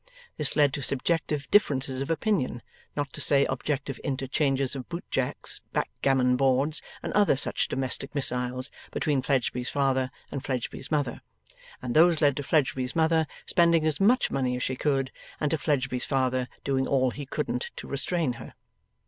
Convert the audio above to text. This led to subjective differences of opinion, not to say objective interchanges of boot jacks, backgammon boards, and other such domestic missiles, between Fledgeby's father and Fledgeby's mother, and those led to Fledgeby's mother spending as much money as she could, and to Fledgeby's father doing all he couldn't to restrain her.